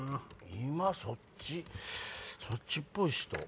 今そっちそっちっぽい人？